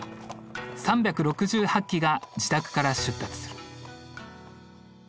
３６８騎が自宅から出立する。